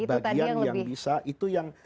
bagian yang bisa itu yang